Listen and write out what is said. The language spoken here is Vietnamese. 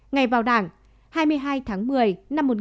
ngày vào đảng hai mươi hai tháng một mươi năm một nghìn chín trăm sáu mươi tám